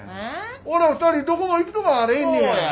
俺ら２人どこも行くとこあれへんねや。